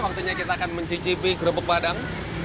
waktunya kita akan mencicipi kerupuk padang